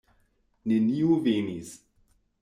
Neniu venis.